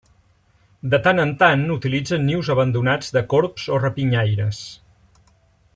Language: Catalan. De tant en tant utilitzen nius abandonats de corbs o rapinyaires.